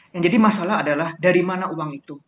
yang jadi masalah adalah dari mana uang itu